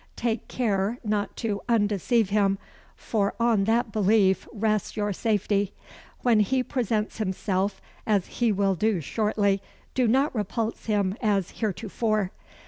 Take care not to undeceive him, for on that belief rests your safety. When he presents himself, as he will do shortly, do not repulse him as heretofore.